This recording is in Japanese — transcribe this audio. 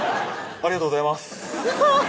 「ありがとうございます！」